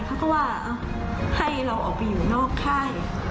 เขาก็ว่าให้เราออกไปอยู่นอกค่าย